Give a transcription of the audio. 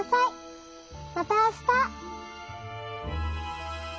またあした。